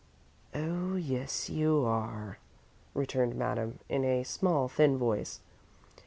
"Oh, yes, you are," returned Madame, in a small, thin voice.